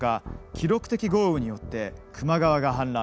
記録的豪雨によって球磨川が氾濫。